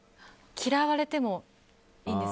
嫌われてもいい。